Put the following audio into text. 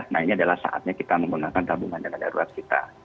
nah ini adalah saatnya kita menggunakan tabungan dana darurat kita